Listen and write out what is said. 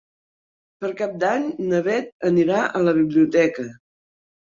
Per Cap d'Any na Bet anirà a la biblioteca.